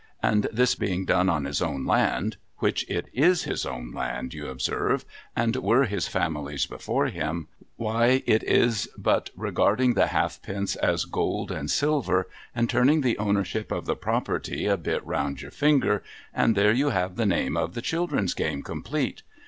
And this being done on his own land (which it is his own land, you observe, and were his family's before him), why it is but regarding the halfpence as gold and silver, and turning the ownership of the property a bit round your finger, and there you have the name of the children's game complete.